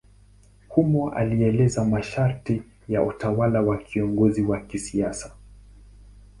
Humo alieleza masharti ya utawala kwa kiongozi wa kisiasa.